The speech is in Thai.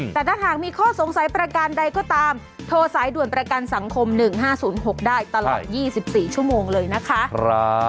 แต่ถ้าหากมีข้อสงสัยประการใดก็ตามโทรสายด่วนประกันสังคม๑๕๐๖ได้ตลอด๒๔ชั่วโมงเลยนะคะ